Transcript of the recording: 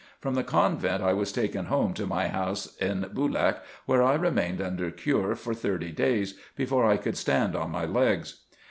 From the convent I was taken home to my house in Boolak, where I remained under cure for thirty days, before I could stand on my legs.